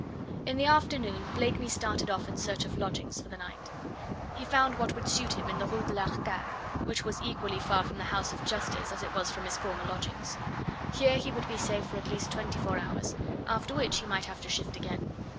In the afternoon Blakeney started off in search of lodgings for the night. He found what would suit him in the Rue de l'Arcade, which was equally far from the House of Justice as it was from his former lodgings. Here he would be safe for at least twenty four hours, after which he might have to shift again.